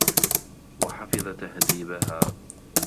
وَحَفِظَ تَهْذِيبَهَا